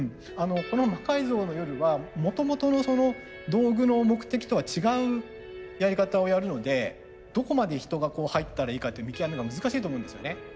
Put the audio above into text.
この「魔改造の夜」はもともとの道具の目的とは違うやり方をやるのでどこまで人が入ったらいいかっていう見極めが難しいと思うんですよね。